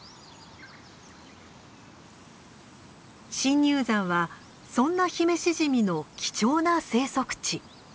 深入山はそんなヒメシジミの貴重な生息地。